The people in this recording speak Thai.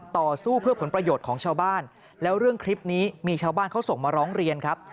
ต่อสู้เพื่อผลประโยชน์ของชาวบ้านแล้วเรื่องคลิปนี้มีชาวบ้านเขาส่งมาร้องเรียนครับ